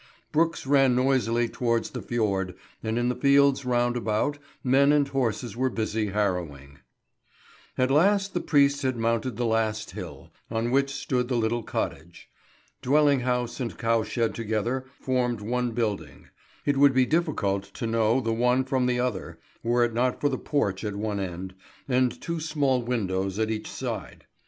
Brooks ran noisily towards the fjord, and in the fields round about men and horses were busy harrowing. At last the priest had mounted the last hill, on which stood the little cottage. Dwelling house and cow shed together formed one building; it would be difficult to know the one from the other, were it not for the porch at one end, and two small windows at each side.